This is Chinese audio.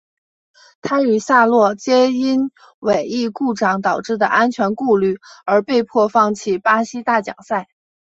他与萨洛皆因尾翼故障导致的安全顾虑而被迫放弃巴西大奖赛。